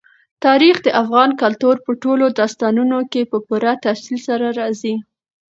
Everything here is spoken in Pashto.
تاریخ د افغان کلتور په ټولو داستانونو کې په پوره تفصیل سره راځي.